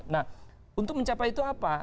nah untuk mencapai itu apa